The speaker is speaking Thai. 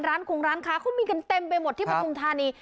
คงร้านค้าเขามีกันเต็มไปหมดที่ปฐุมธานี